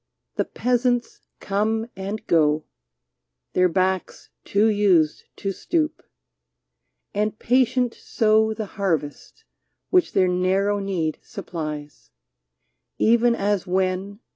The peasants come and go, — Their backs too used to stoop, — and patient sow The harvest which their narrow need supplies ; Even as when.